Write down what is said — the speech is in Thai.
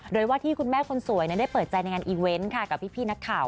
โดยว่าที่คุณแม่คนสวยได้เปิดใจในงานอีเวนต์ค่ะกับพี่นักข่าว